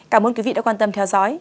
cảm ơn quý vị đã quan tâm theo dõi